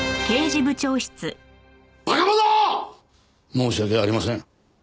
申し訳ありません。